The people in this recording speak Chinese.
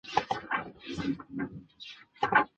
斜带圆沫蝉为尖胸沫蝉科圆沫蝉属下的一个种。